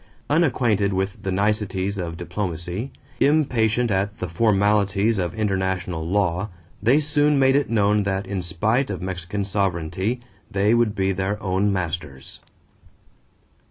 Unacquainted with the niceties of diplomacy, impatient at the formalities of international law, they soon made it known that in spite of Mexican sovereignty they would be their own masters.